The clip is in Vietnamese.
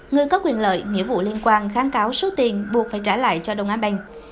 người có quyền lợi nghĩa vụ liên quan kháng cáo số tiền buộc phải trả lại cho đông á banh